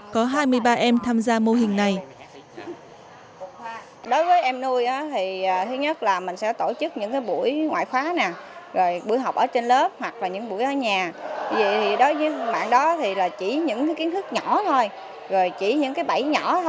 có hai mươi ba em tham gia mô hình này